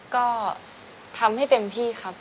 ก็ทำให้เต็มที่ครับ